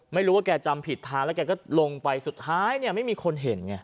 ไม่รู้ว่าแกจำผิดทานแล้วแกก็ลงไปสุดท้ายเนี่ยไม่มีคนเห็นไง